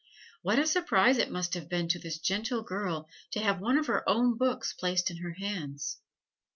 What a surprise it must have been to this gentle girl to have one of her own books placed in her hands!